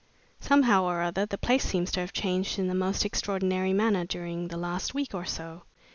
"Somehow or other, the place seems to have changed in the most extraordinary manner' during the last week or so.